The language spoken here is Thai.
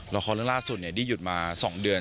ละครเรื่องล่าสุดที่หยุดมา๒เดือน